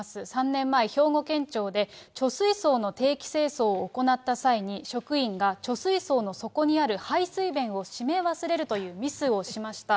３年前、兵庫県庁で貯水槽の定期清掃を行った際に、職員が貯水槽の底にある排水弁を閉め忘れるというミスをしました。